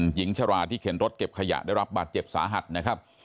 หญิงชราที่เข็นรถเก็บขยะได้รับบาดเจ็บสาหัสนะครับ